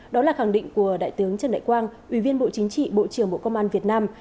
đó là khẳng định của đại tướng trần đại quang ủy viên bộ chính trị bộ trưởng bộ công an việt nam